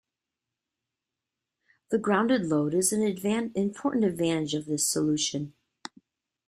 The grounded load is an important advantage of this solution.